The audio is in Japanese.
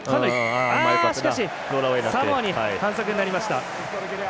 しかしサモアに反則になりました。